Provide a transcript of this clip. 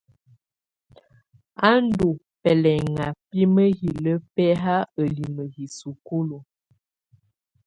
Ú ndù bɛlɛŋa bi mǝhilǝ bɛhaa ǝlimǝ yi sukulu.